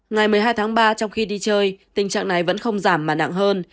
ngày một mươi hai tháng ba trong khi đi chơi tình trạng này vẫn không giảm mà nặng hơn